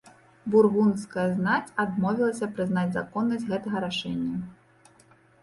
Бургундская знаць адмовілася прызнаць законнасць гэтага рашэння.